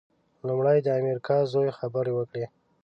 لومړی د امیر کاکا زوی خبرې وکړې.